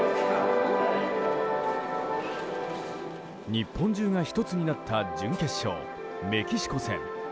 日本中が１つになった準決勝、メキシコ戦。